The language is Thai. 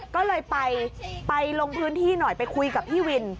ก็เลยไปลงพื้นที่หน่อยไปคุยกับพี่วิน